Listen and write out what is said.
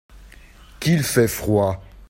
Qu'il fait froid !